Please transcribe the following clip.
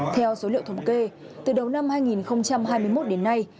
theo số liệu thống kê từ đầu năm hai nghìn hai mươi một đến nay